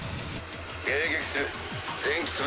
迎撃する。